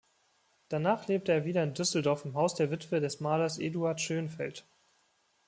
Danach lebte er wieder in Düsseldorf im Haus der Witwe des Malers Eduard Schoenfeld.